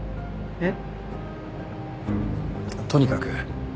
えっ？